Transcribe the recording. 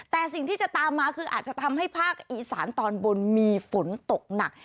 แต่สิ่งที่จะตามมาคืออาจจะทำให้ภาคอีสานตอนบนมีฝนตกหนัก